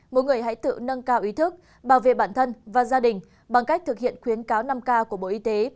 mỗi người hãy tự nâng cao ý thức bảo vệ bản thân và gia đình bằng cách thực hiện khuyến cáo năm k của bộ y tế